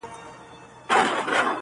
باد را الوتی، له شبِ ستان دی.